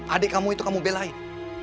adik kamu itu kamu belain